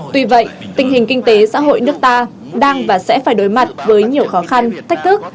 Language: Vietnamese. tuy vậy tình hình kinh tế xã hội nước ta đang và sẽ phải đối mặt với nhiều khó khăn thách thức